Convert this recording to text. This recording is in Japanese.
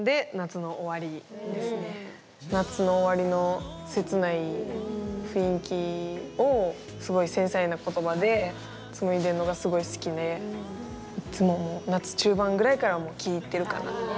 夏の終わりの切ない雰囲気をすごい繊細な言葉で紡いでるのがすごい好きでいつももう夏中盤ぐらいから聴いてるかな。